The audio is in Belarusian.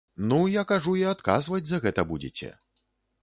Ну, я кажу, і адказваць за гэта будзеце.